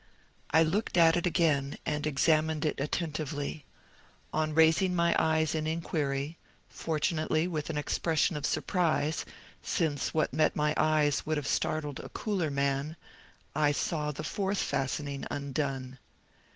I looked at it again, and examined it attentively. On raising my eyes in inquiry fortunately with an expression of surprise, since what met my eyes would have startled a cooler man I saw the fourth fastening undone!